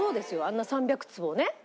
あんな３００坪をね。